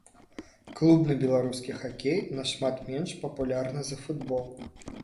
Клубны беларускі хакей нашмат менш папулярны за футбол.